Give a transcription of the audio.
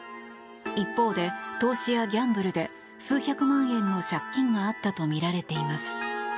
一方で、投資やギャンブルで数百万円の借金があったとみられています。